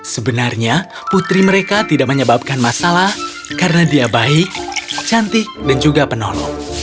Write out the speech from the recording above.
sebenarnya putri mereka tidak menyebabkan masalah karena dia baik cantik dan juga penolong